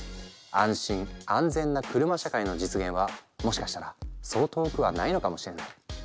安心・安全な車社会の実現はもしかしたらそう遠くはないのかもしれない。